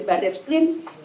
kemudian kita jangan dihatikan